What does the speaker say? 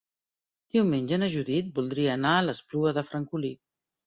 Diumenge na Judit voldria anar a l'Espluga de Francolí.